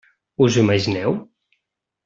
Us ho imagineu?